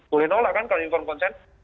boleh nolak kan kalau inform konsen